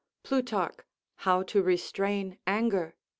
[Plutarch, How to restrain Anger, c.